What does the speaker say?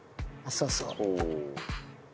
そうそう。